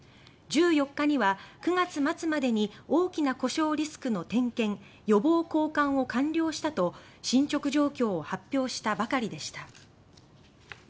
１４日には「９月末までに大きな故障リスクの点検予防交換を完了した」と進捗状況を発表したばかりでした。